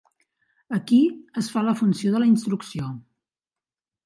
Aquí es fa la funció de la instrucció.